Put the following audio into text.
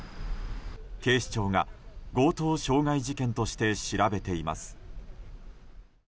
警視庁が強盗傷害事件として調べています。